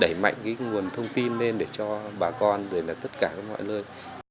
đẩy mạnh cái nguồn thông tin lên để cho bà con rồi là tất cả các ngoại lơi